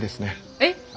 えっ！？